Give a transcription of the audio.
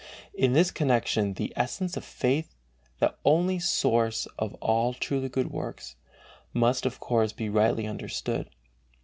In this connection the essence of faith, that only source of all truly good works, must of course be rightly understood.